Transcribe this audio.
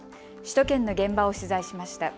首都圏の現場を取材しました。